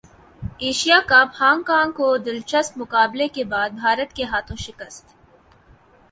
Asia cup Hong Kong کو دلچسپ مقابلے کے بعد بھارت کے ہاتھوں شکست